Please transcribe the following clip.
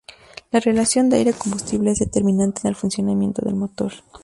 La relación de aire-combustible es determinante en el funcionamiento del motor.